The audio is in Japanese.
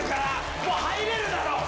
もう入れるだろ。